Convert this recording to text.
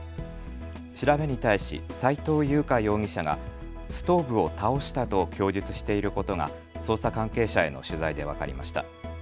調べに対し斉藤優花容疑者がストーブを倒したと供述していることが捜査関係者への取材で分かりました。